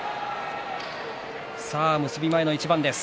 さあ、結び前の一番です。